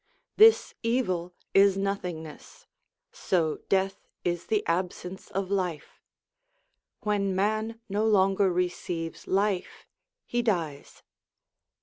This evil is nothingness ; so death is the absence of life. When man no longer receives life, he dies.